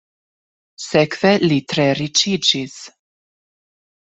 Sekve li tre riĉiĝis.